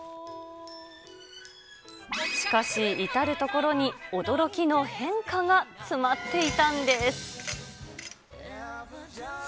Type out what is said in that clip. しかし至る所に、驚きの変化が詰まっていたんです。